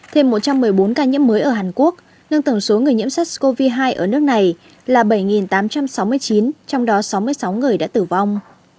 thêm một trăm một mươi bốn ca nhiễm mới ở hàn quốc nâng tổng số người nhiễm sars cov hai ở nước này là bảy tám trăm sáu mươi chín trong đó sáu mươi sáu người đã tử vong